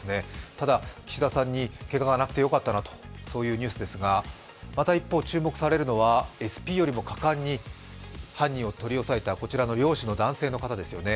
ただ岸田さんにけががなくてよかったなというニュースですがまた一方、注目されるのはＳＰより果敢に犯人を取り押さえたこちらの漁師の男性の方ですよね。